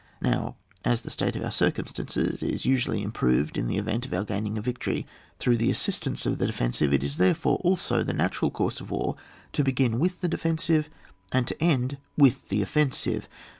Now as the state of our circum stances is usually improved in the event of our gaining a victory through the assist ance of the defensive, it is therefore, also, the natural course in war to begin with the defensive, and to end with the offen sive.